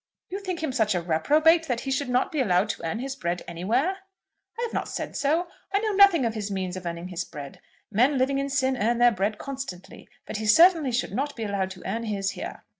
"You think him such a reprobate that he should not be allowed to earn his bread anywhere?" "I have not said so. I know nothing of his means of earning his bread. Men living in sin earn their bread constantly. But he certainly should not be allowed to earn his here."